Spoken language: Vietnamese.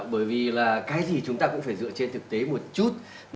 bởi vì là cái gì chúng ta cũng phải dựa trên thực tế một chút